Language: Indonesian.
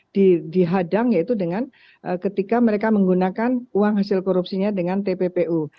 karena dihadang yaitu dengan ketika mereka menggunakan uang hasil korupsinya dengan tppu